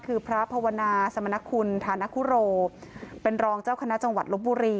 คือพระภาวนาสมณคุณธานคุโรเป็นรองเจ้าคณะจังหวัดลบบุรี